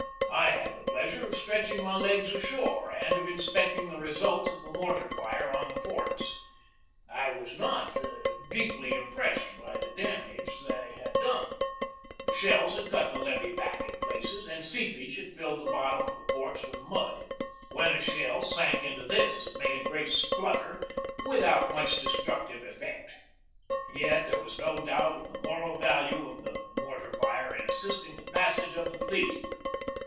I had the pleasure of stretching my legs ashore and of inspecting the results of the mor tar fire on the forts. I was not deeply impressed by the damage that had been done. The shells had cut the levee bank in places and seepage had filled the THE BATTLE OF NEW ORLEANS 75 bottom of the forts with mud. When a shell sank in this it made a great splutter without much de structive effect. Yet there is no doubt of the moral value of the mortar fire in assisting the passage of the fleet.